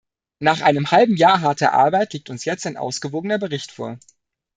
Nach einem halben Jahr harter Arbeit liegt uns jetzt ein ausgewogener Bericht vor.